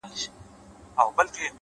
علم د تیارو رڼا ده.